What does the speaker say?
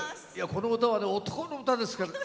この歌は男の歌ですから。